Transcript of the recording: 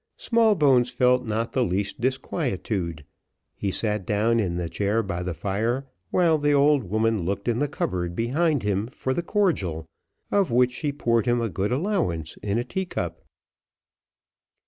Smallbones felt not the least disquietude; he sat down in the chair by the fire, while the old woman looked in the cupboard behind him for the cordial, of which she poured him a good allowance in a tea cup.